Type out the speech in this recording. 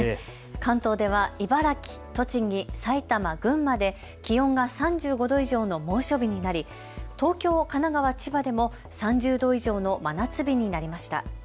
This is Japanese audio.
関東では茨城、栃木、埼玉、群馬で気温が３５度以上の猛暑日になり東京、神奈川、千葉でも３０度以上の真夏日になりました。